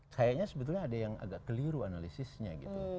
kayaknya sebetulnya ada yang agak keliru analisisnya gitu